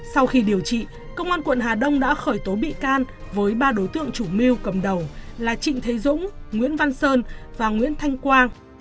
sau khi điều trị công an quận hà đông đã khởi tố bị can với ba đối tượng chủ mưu cầm đầu là trịnh thế dũng nguyễn văn sơn và nguyễn thanh quang